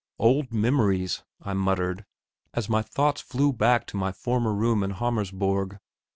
Old memories! I muttered, as my thoughts flew back to my former room in Hammersborg.